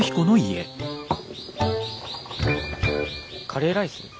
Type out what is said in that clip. カレーライス？